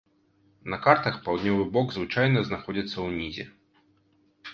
На картах паўднёвы бок звычайна знаходзіцца ўнізе.